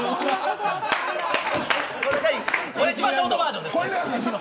これが一番ショートバージョンです。